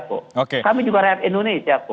kami juga rakyat indonesia